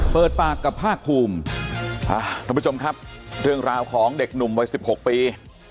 เปิดปากกับภาคภูมิท่านผู้ชมครับเรื่องราวของเด็กหนุ่มวัยสิบหกปี